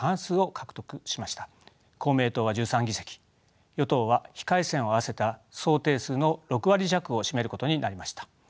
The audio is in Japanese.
公明党は１３議席与党は非改選を合わせた総定数の６割弱を占めることになりました。